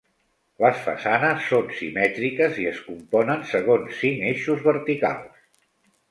Les façanes són simètriques i es componen segons cinc eixos verticals.